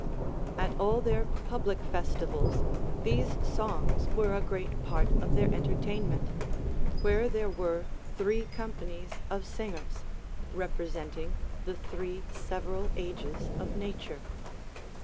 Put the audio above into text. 15. At all their public festivals these songs were a great part of their entertainment, where there were three com panies of singers, representing the three several ages of nature.